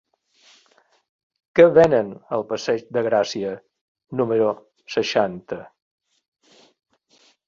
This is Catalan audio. Què venen al passeig de Gràcia número seixanta?